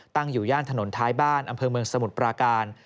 ตั้งอยู่ย่านถนนท้ายบ้านอำเภอเมืองสมุทรปราการ